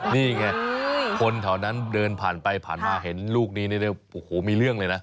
นี่ไงคนแถวนั้นเดินผ่านไปผ่านมาเห็นลูกนี้โอ้โหมีเรื่องเลยนะ